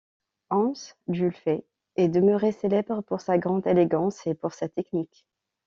Hans Dülfer est demeuré célèbre pour sa grande élégance et pour sa technique.